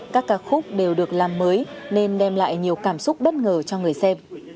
các ca khúc đều được làm mới nên đem lại nhiều cảm xúc bất ngờ cho người xem